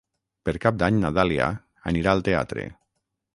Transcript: Per Cap d'Any na Dàlia anirà al teatre.